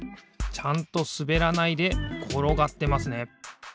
ちゃんとすべらないでころがってますね。